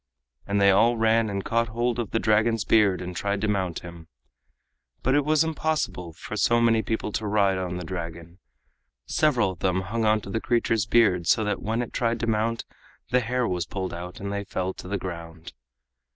And they all ran and caught hold of the Dragon's beard and tried to mount him. But it was impossible for so many people to ride on the Dragon. Several of them hung on to the creature's beard so that when it tried to mount the hair was pulled out and they fell to the ground.